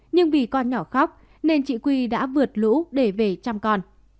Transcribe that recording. nhưng vì con nhỏ khóc nên chị quy đã vượt lũ để về chăm con